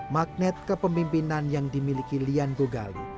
magnet kepemimpinan yang dimiliki ibu lian begali